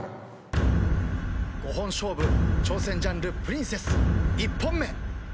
５本勝負挑戦ジャンルプリンセス１本目。